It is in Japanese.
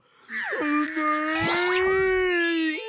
うまい！